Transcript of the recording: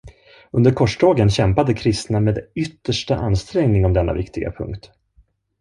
Under korstågen kämpade kristna med yttersta ansträngning om denna viktiga punkt.